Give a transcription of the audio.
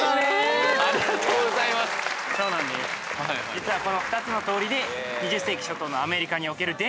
実はこの２つの通りで２０世紀初頭のアメリカにおける電気の普及が